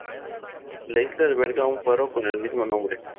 La isla alberga un faro con el mismo nombre.